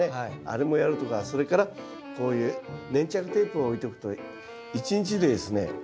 あれもやるとかそれからこういう粘着テープを置いておくと１日でですね